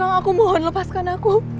aku mohon lepaskan aku